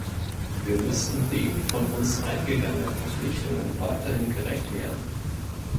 Wir müssen den von uns eingegangenen Verpflichtungen weiterhin gerecht werden.